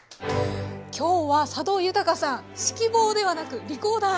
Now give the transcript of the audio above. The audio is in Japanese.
今日は佐渡裕さん指揮棒ではなくリコーダー。